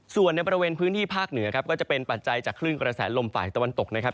ส่วนในบริเวณพื้นที่ภาคเหนือครับก็จะเป็นปัจจัยจากคลื่นกระแสลมฝ่ายตะวันตกนะครับ